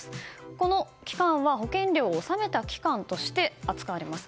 この期間は保険料を納めた期間として扱われます。